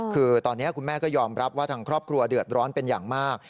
คือตอนนี้คุณแม่ก็ยอมรับว่าทางครอบครัวเดือดร้อนเป็นอย่างมาก